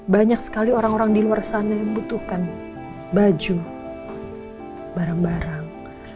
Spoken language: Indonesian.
banyak sekali orang orang di luar sana yang butuhkan baju barang barang